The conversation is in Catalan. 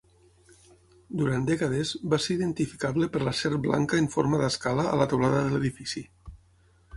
Durant dècades va ser identificable per la serp blanca en forma d'escala a la teulada de l'edifici.